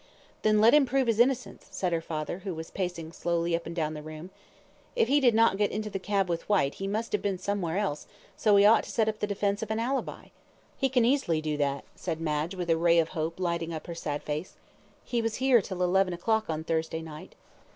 "Then let him prove his innocence," said her father, who was pacing slowly up and down the room; "if he did not get into the cab with Whyte he must have been somewhere else; so he ought to set up the defence of an ALIBI." "He can easily do that," said Madge, with a ray of hope lighting up her sad face, "he was here till eleven o'clock on Thursday night."